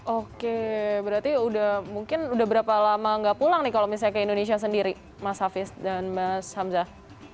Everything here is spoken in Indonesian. oke berarti mungkin udah berapa lama nggak pulang nih kalau misalnya ke indonesia sendiri mas hafiz dan mas hamzah